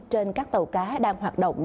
trên các tàu cá đang hoạt động